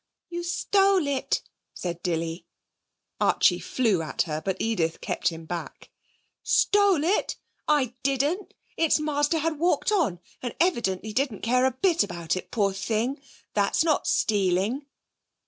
'You stole it,' said Dilly. Archie flew at her, but Edith kept him back. 'Stole it! I didn't! Its master had walked on and evidently didn't care a bit about it, poor thing. That's not stealing.'